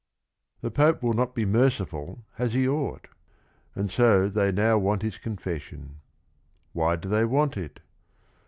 The Pope will no t be merciful, as he oug ht; and so they now want his confess ion. Why do they want it?